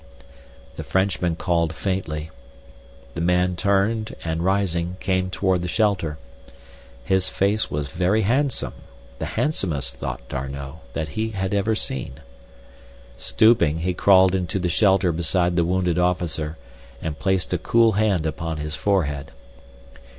The Frenchman called faintly. The man turned, and rising, came toward the shelter. His face was very handsome—the handsomest, thought D'Arnot, that he had ever seen. Stooping, he crawled into the shelter beside the wounded officer, and placed a cool hand upon his forehead.